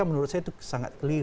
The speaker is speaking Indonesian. menurut saya itu sangat keliru